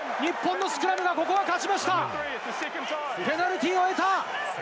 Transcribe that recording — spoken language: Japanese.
ペナルティーを得た！